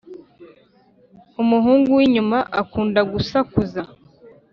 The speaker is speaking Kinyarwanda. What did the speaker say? umuhungu winyuma akunda gusakuza